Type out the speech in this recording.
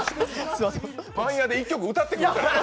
パン屋で１曲歌ってるから。